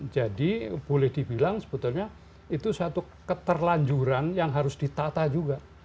jadi boleh dibilang sebetulnya itu satu keterlanjuran yang harus ditata juga